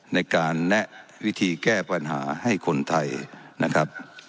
ในการแนะวิธีแก้ปัญหาให้คนไทยนะครับ